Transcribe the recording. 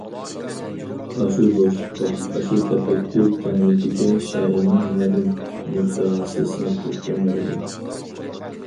ئاشۇ بوشلۇققا، ئاشۇ تەپەككۇر كەڭلىكىگە شائىرنىڭ مەلۇم مۇددىئاسى سىڭىپ كەتكەن بولىدۇ.